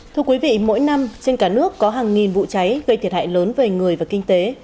thưa quý vị mỗi năm trên cả nước có hàng nghìn vụ cháy gây thiệt hại lớn về người và kinh tế